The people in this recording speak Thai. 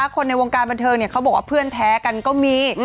คนในวงการบันเทิงเขาบอกว่าเพื่อนแท้กันก็มี